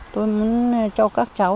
tôi muốn cho các cháu